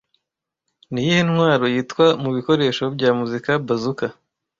Niyihe ntwaro yitwa mubikoresho bya muzika Bazooka